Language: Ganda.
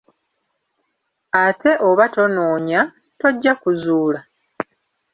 Ate oba tonoonya, tojja kuzuula.